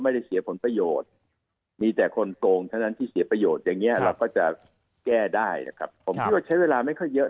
ไม่ได้เสียผลประโยชน์มีแต่คนโงงใช้เพียงไม่เยอะเราก็จะแก้ได้ครับผมก็ใช้เวลา